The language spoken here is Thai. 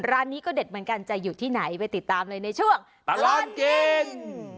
ร้านนี้ก็เด็ดเหมือนกันจะอยู่ที่ไหนไปติดตามเลยในช่วงตลอดกิน